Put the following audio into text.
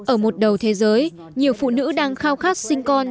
ở một đầu thế giới nhiều phụ nữ đang khao khát sinh con